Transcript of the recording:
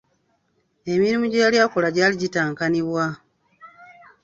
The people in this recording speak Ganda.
Emirimu gye yali akola gyali gitankanibwa.